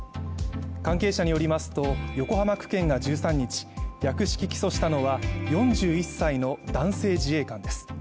関係者によりますと横浜区検が１３日、略式起訴したのは４１歳の男性自衛官です。